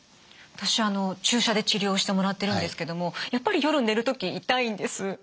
私注射で治療をしてもらってるんですけどもやっぱり夜寝る時痛いんです。